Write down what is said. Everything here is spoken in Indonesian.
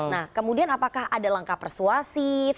nah kemudian apakah ada langkah persuasif